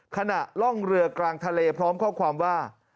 ขณะล่องเรือกลางทะเลพร้อมข้อความว่า